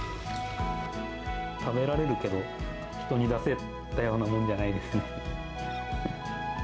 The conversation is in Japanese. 食べられるけど、人に出せたようなものじゃないですね。